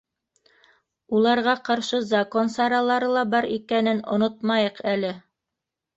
Уларға ҡаршы закон саралары ла бар икәнен онотмайыҡ әле.